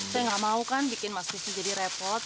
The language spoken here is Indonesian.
saya nggak mau kan bikin mas susi jadi repot